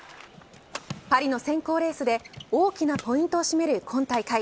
パリの選考レースで大きなポイントを占める今大会。